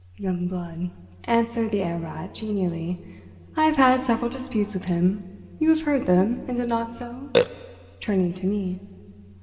"Young blood," answered the Herr Rat genially. "I have had several disputes with him—you have heard them—is it not so?" turning to me.